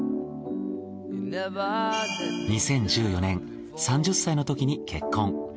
２０１４年３０歳のときに結婚。